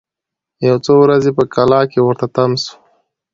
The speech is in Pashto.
یو څو ورځي په کلا کي ورته تم سو